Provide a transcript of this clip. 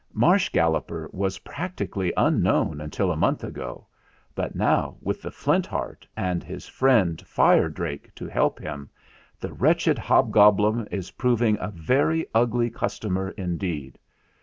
"Marsh Galloper was practically unknown un til a month ago, but now, with the Flint Heart and his friend Fire Drake to help him, the wretched hobgoblin is proving a very ugly customer indeed.